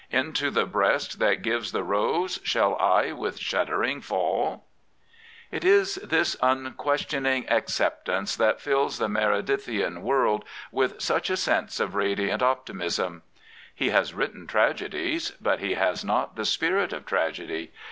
Into the breast that gives the rose Shall I with shuddering fall ? It is this unquestioning acceptance that fills the Meredithian world with such a sense of radiant opti mism. He has written tragedies; but he has npt the spirit of tragedy.